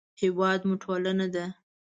هېواد مو ټولنه ده